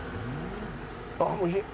あっおいしい。